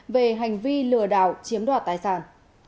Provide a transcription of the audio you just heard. về hành vi lừa đảo chiếm đoạt tài sản